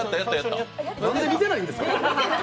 何で見てないんですか？